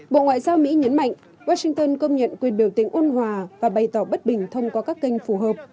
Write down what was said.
bộ ngoại giao mỹ nhấn mạnh washington công nhận quyền biểu tình ôn hòa và bày tỏ bất bình thông qua các kênh phù hợp